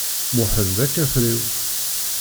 Muḥend d akafriw.